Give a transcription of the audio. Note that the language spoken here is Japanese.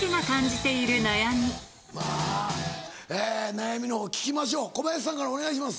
悩みの方聞きましょう小林さんからお願いします。